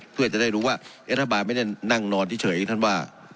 เพื่อจะได้รู้ว่ารัฐบาลไม่ได้นั่งนอนเฉยท่านว่า